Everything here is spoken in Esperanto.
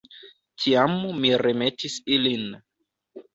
Tiam mi remetis ilin.